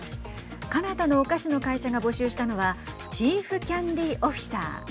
カナダのお菓子の会社が募集したのはチーフ・キャンディー・オフィサー。